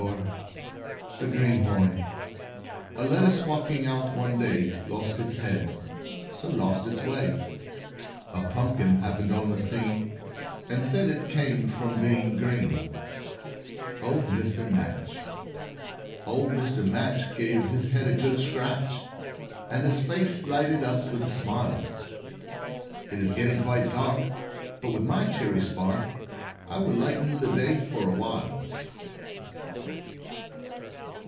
[Illustration: A Hopeless Case] THE GREENHORN A lettuce walking out one day, Lost his head, so lost his way; A Pumpkin happened on the scene, And said it came from being green. [Illustration: The Greenhorn] OLD MR. MATCH Old Mr. Match gave his head a good scratch, And his face lighted up with a smile; "It is getting quite dark, but with my cheery spark I will lengthen the day for awhile."